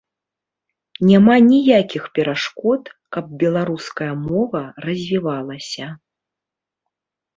Няма ніякіх перашкод, каб беларуская мова развівалася.